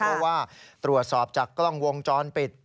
เพราะว่าตรวจสอบจากกล้องวงจรปิด